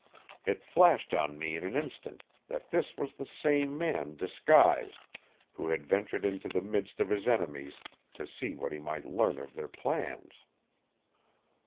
It flashed on me in an instant that this was the same man disguised, who had ventured into the midst of his enemies to see what he might learn of their plans.